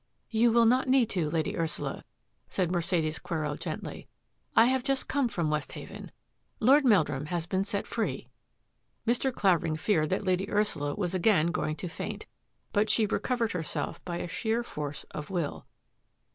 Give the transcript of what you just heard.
" You will not need to. Lady Ursula," said Mer cedes Quero gently. " I have just come from Westhaven. Lord Meldrum has been set free." Mr. Clavering feared that Lady Ursula was again going to faint, but she recovered herself by sheer force of will.